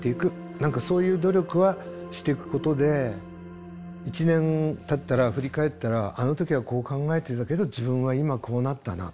何かそういう努力はしていくことで１年たったら振り返ったらあの時はこう考えていたけど自分は今こうなったな。